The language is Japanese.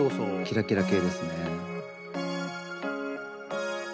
キラキラ系ですね。